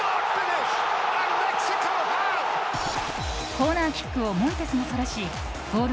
コーナーキックをモンテスがそらしゴール